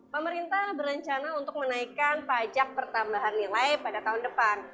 pemerintah berencana untuk menaikkan pajak pertambahan nilai pada tahun depan